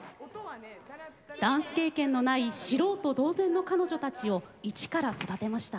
ダンス経験のない素人同然の彼女たちを一から育てました。